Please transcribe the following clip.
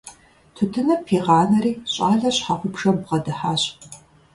Тутыныр пигъанэри, щIалэр щхьэгъубжэм бгъэдыхьащ.